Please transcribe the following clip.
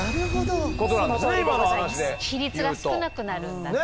比率が少なくなるんだね。